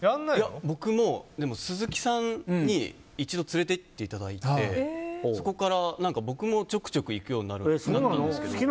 僕も鈴木さんに一度連れて行っていただいてそこから僕もちょくちょく行くようになったんですけど。